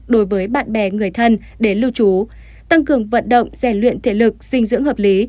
đối với bạn bè người thân đến lưu trú tăng cường vận động rèn luyện thể lực dinh dưỡng hợp lý